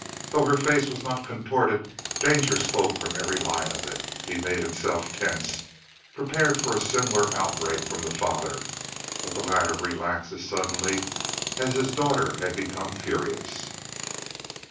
Though her face was not contorted, danger spoke from every line of it. He made himself tense, prepared for a similar outbreak from the father, but the latter relaxed as suddenly as his daughter had become furious.